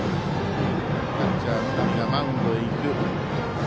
キャッチャー、野上がマウンドに行く。